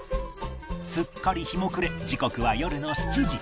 すっかり日も暮れ時刻は夜の７時